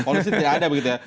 polisi tidak ada begitu ya